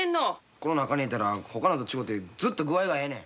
この中に入れたらほかのと違てずっと具合がええねん。